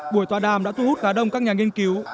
buổi tọa đàm đã thu hút khá đông các nhà nghiên cứu